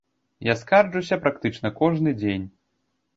Я скарджуся практычна кожны дзень.